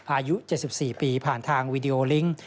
อายุ๗๔ปีผ่านทางวีดีโอลิงค์